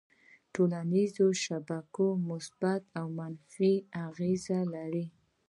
ټولنیزې شبکې مثبت او منفي اغېزې لري.